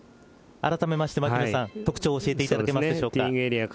改めて牧野さん特徴を教えていただけますでしょうか。